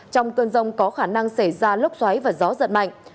trong cơn rông có khả năng xảy ra lốc xoáy và gió giật mạnh